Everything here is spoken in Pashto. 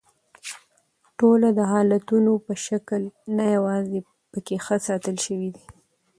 ټوله د حالتونو په شکل نه یواځي پکښې ښه ساتل شوي دي